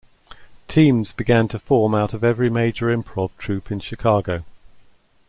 Teams began to form out of every major improv troupe in Chicago.